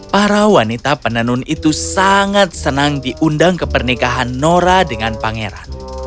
para wanita penenun itu sangat senang diundang ke pernikahan nora dengan pangeran